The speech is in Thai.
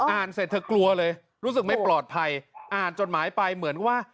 อ่านเสร็จเธอกลัวเลยรู้สึกไม่ปลอดภัยอ่านจดหมายไปเหมือนว่า